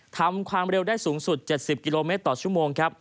ทำความเร็วได้สูงสุด๗๐กิโลเมตรต่อชั่วโมงครับ